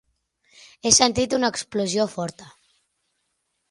He sentit una explosió forta.